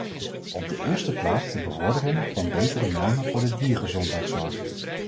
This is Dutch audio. Op de eerste plaats de bevordering van betere normen voor de diergezondheidszorg.